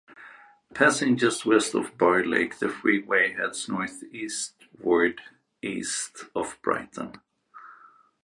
Passing just west of Barr Lake, the freeway heads northeastward east of Brighton.